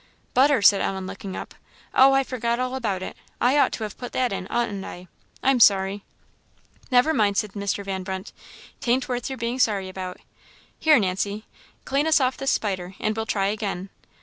"Butter!" said Ellen, looking up; "oh, I forgot all about it I ought to have put that in, oughtn't I? I'm sorry!" "Never mind," said Mr. Van Brunt " 'tain't worth your being sorry about. Here Nancy clean us off this spider, and we'll try again."